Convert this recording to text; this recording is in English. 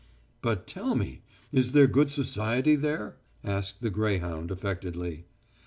"But, tell me ... is there good society there?" asked the greyhound affectedly.